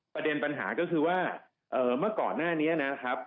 ประเด็นปัญหาก็คือว่าเมื่อก่อนหน้านี้นะครับ